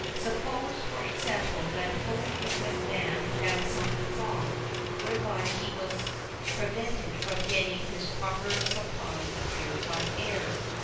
Suppose, for example, that a fully equipped man found something wrong, whereby he was prevented from getting his proper supply of purified air.